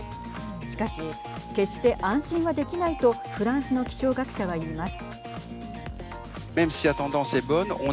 しかし、決して安心はできないとフランスの気象学者は言います。